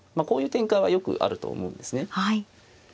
こういう展開はよくあると思うんですね。